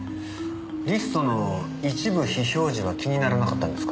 リストの一部非表示は気にならなかったんですか？